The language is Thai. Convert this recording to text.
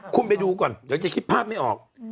คุณไปดูก่อนเดี๋ยวจะคิดภาพไม่ออก